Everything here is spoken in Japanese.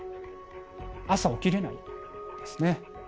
朝起きれないんですね。